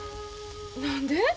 何で？